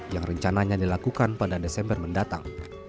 yang rencananya dilakukan pada desember mendatang